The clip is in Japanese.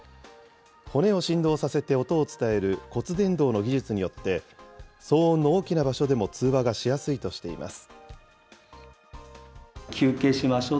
骨を振動させて音を伝える骨伝導の技術によって、騒音の大きな場所でも通話がしやすいとしています。